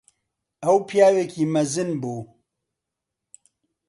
ئەو پیاوێکی مەزن بوو.